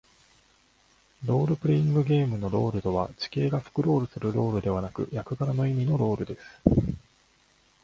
ロールプレイングゲームのロールとは、地形がスクロールするロールではなく、役柄の意味のロールです。